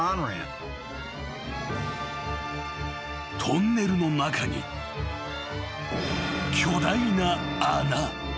［トンネルの中に巨大な］